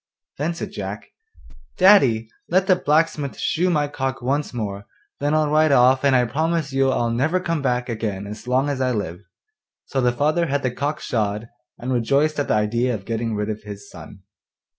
Then said Jack, 'Daddy, let the blacksmith shoe my cock once more; then I'll ride off, and I promise you I'll never come back again as long as I live.' So the father had the cock shod, and rejoiced at the idea of getting rid of his son.